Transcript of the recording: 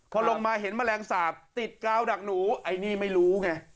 พอลงมาเห็นแมลงสาปติดกาวดักหนูไอ้นี่ไม่รู้ไง